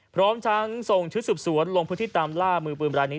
พร้อมทั้งส่งชุดสืบสวนลงพื้นที่ตามล่ามือปืนรายนี้